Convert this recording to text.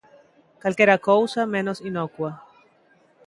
Calquera cousa menos inocua.